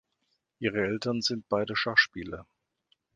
Ihre Eltern sind beide Schachspieler.